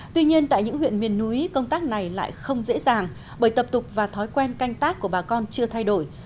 tuy nhiên tại những huyện miền núi công tác này lại không dễ dàng bởi tập tục và thói quen canh tác của bà con chưa thay đổi